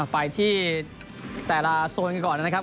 ไปที่แต่ละโซนกันก่อนนะครับ